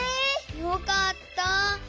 よかった。